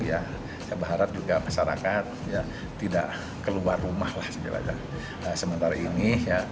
saya berharap juga masyarakat tidak keluar rumah sementara ini